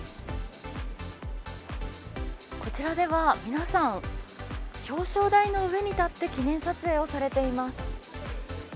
こちらでは、皆さん、表彰台の上に立って記念撮影をされています。